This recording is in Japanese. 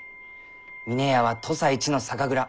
峰屋は土佐一の酒蔵。